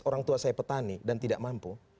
orang tua saya petani dan tidak mampu